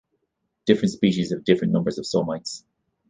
Different species have different numbers of somites.